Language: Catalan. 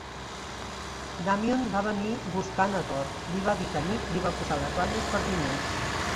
Damion va venir buscant a Dot, li va dir que Nick li va posar les banyes per diners.